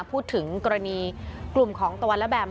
พูดถึงกรณีกลุ่มของตะวันและแมม